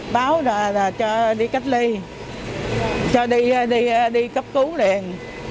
báo ra là cho đi cách ly cho đi cấp cứu liền